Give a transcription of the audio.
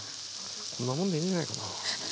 こんなもんでいいんじゃないかな。